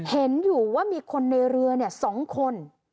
เห็นอยู่ว่ามีคนในเรือ๒คน